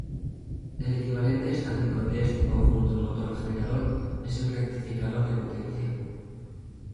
El equivalente estático de este conjunto motor-generador es el rectificador de potencia.